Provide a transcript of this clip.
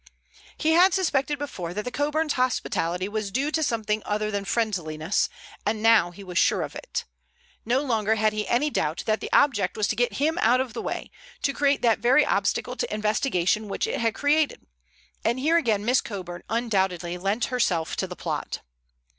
_ He had suspected before that the Coburns' hospitality was due to something other than friendliness, and now he was sure of it. No longer had he any doubt that the object was to get him out of the way, to create that very obstacle to investigation which it had created. And here again Miss Coburn had undoubtedly lent herself to the plot.